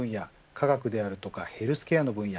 化学であるとかヘルスケアの分野